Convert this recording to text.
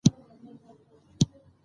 بڼه د مارغه بڼکه ده.